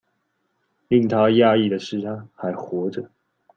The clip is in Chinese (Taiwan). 令他訝異的是她還活著